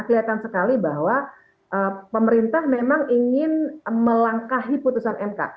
kelihatan sekali bahwa pemerintah memang ingin melangkahi putusan mk